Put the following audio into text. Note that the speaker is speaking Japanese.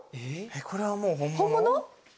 これはもう本物？